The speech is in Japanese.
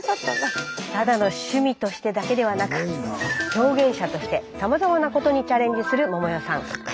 ただの趣味としてだけではなく表現者としてさまざまなことにチャレンジする百代さん。